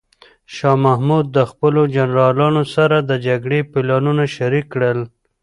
شاه محمود د خپلو جنرالانو سره د جګړې پلانونه شریک کړل.